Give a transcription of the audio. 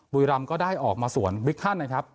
บุรีรำก็ได้ออกมาสวนบิ๊กทันนะครับ